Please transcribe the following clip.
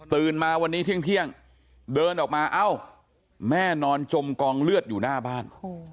มาวันนี้เที่ยงเดินออกมาเอ้าแม่นอนจมกองเลือดอยู่หน้าบ้าน